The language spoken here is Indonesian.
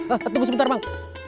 ah tunggu sebentar bang